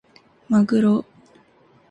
まぐろ